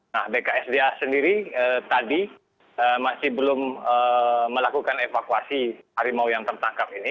nah bksda sendiri tadi masih belum melakukan evakuasi harimau yang tertangkap ini